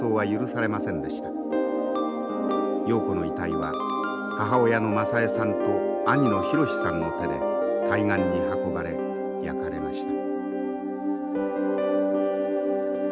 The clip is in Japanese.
瑤子の遺体は母親の雅枝さんと兄の浩史さんの手で対岸に運ばれ焼かれました。